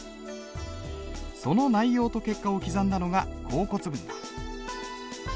その内容と結果を刻んだのが甲骨文だ。